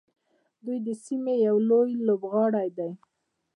دوی د سیمې یو لوی لوبغاړی دی.